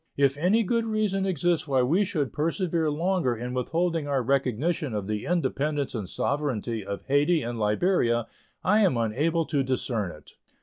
If any good reason exists why we should persevere longer in withholding our recognition of the independence and sovereignty of Hayti and Liberia, I am unable to discern it.